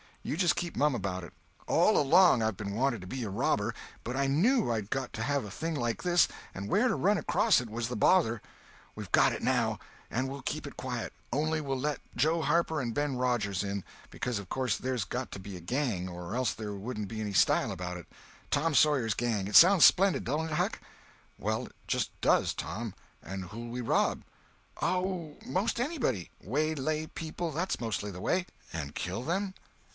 You just keep mum about it. All along I've been wanting to be a robber, but I knew I'd got to have a thing like this, and where to run across it was the bother. We've got it now, and we'll keep it quiet, only we'll let Joe Harper and Ben Rogers in—because of course there's got to be a Gang, or else there wouldn't be any style about it. Tom Sawyer's Gang—it sounds splendid, don't it, Huck?" "Well, it just does, Tom. And who'll we rob?" "Oh, most anybody. Waylay people—that's mostly the way." "And kill them?"